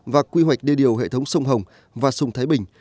và quy hoạch đê điều hệ thống sông hồng và sông thái bình